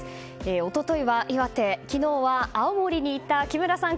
一昨日は岩手昨日は青森に行った木村さん。